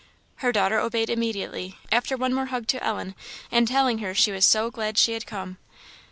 Her daughter obeyed her immediately, after one more hug to Ellen, and telling her she was so glad she had come.